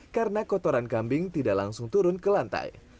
karena kotoran kambing tidak langsung turun ke lantai